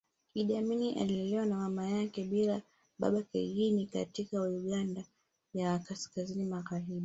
Iddi Amin alilelewa na mama yake bila baba kijijini katika Uganda ya Kaskazini magharibi